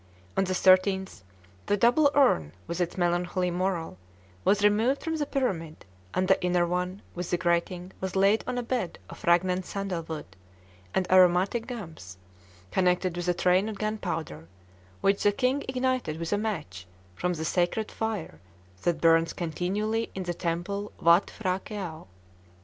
On the thirteenth, the double urn, with its melancholy moral, was removed from the pyramid, and the inner one, with the grating, was laid on a bed of fragrant sandalwood, and aromatic gums, connected with a train of gunpowder, which the king ignited with a match from the sacred fire that burns continually in the temple Watt P'hra Këau.